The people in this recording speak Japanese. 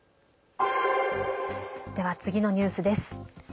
では、次のニュースです。